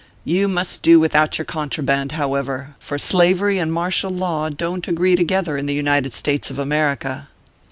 You must do without your contra band, however ; for slavery and martial law don t agree together in the United States of America."